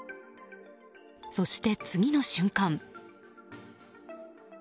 そして、次の瞬間。